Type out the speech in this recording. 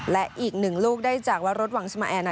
และอีกหนึ่งลูกได้จากวรสวังสมาแอร์